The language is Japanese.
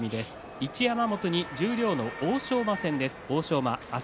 一山本に十両の欧勝馬戦です。